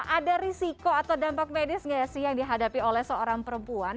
ada risiko atau dampak medis nggak sih yang dihadapi oleh seorang perempuan